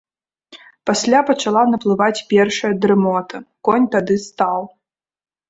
Пасля пачала наплываць першая дрымота, конь тады стаў.